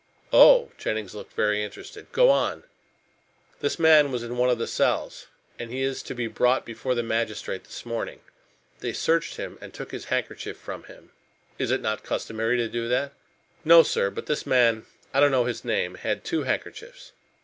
"Oh!" Jennings looked very interested, "go on." "This man was in one of the cells, and he is to be brought before the magistrate this morning. They searched him and took his handkerchief from him." "It is not customary to do that?" "No, Sir. But this man I don't know his name had two handkerchiefs.